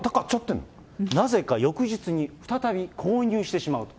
なぜか翌日に、再び購入してしまうと。